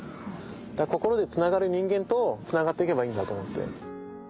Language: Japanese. だから心でつながる人間とつながっていけばいいんだと思って。